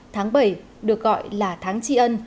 tháng bảy được gọi là tháng chi ân